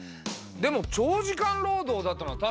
でも長時間労働だったのは確かだよね？